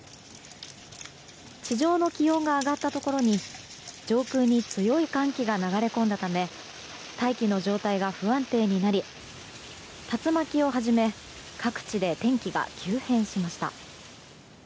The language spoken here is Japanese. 地上の気温が上がったところに上空に強い寒気が流れ込んだため大気の状態が不安定になり竜巻をはじめ各地で天気が急変しました。